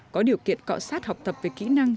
có điều kiện cọ sát học tập về kỹ năng